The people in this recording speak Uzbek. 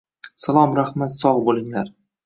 Salom Rahmat sog‘ bo‘linglar!